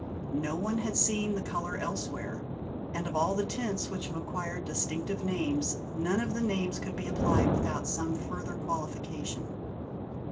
No one had seen the colour elsewhere ; and of all the tints which have acquired distinctive names, none of the names could be applied without some further qualification.